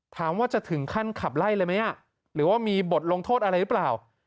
ถามว่าจะถึงขั้นขับไล่เลยไหมหรือว่ามีบทลงโทษอะไรหรือเปล่า